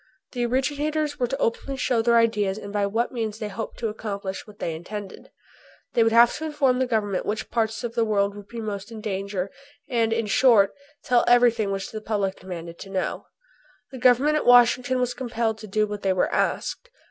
The originators were to openly show their ideas and by what means they hoped to accomplish what they intended. They would have to inform the Government which parts of the world would be most in danger and, in short, tell everything which the public demanded to know. The Government at Washington was compelled to do what they were asked.